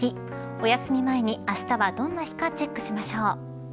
おやすみ前に、あしたはどんな日かチェックしましょう。